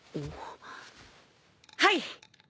はい！